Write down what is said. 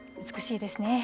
美しいですね。